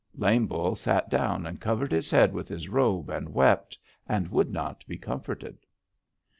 "Lame Bull sat down and covered his head with his robe, and wept, and would not be comforted.